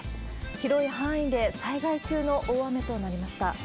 広い範囲で災害級の大雨となりました。